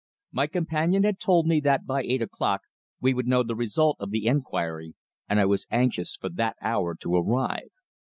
My companion had told me that by eight o'clock we would know the result of the enquiry, and I was anxious for that hour to arrive.